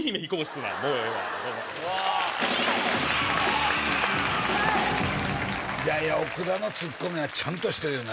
すなもうええわどうもいやいや奥田のツッコミはちゃんとしてるよね